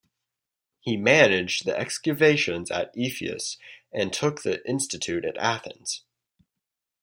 He managed the excavations at Ephesus and took the institute at Athens.